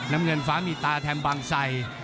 น้ำเงินฟ้ามีตาแถมบางไซ